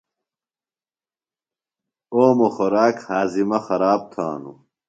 اوموۡ خوراک ہاضِمہ خراب تھانوۡ۔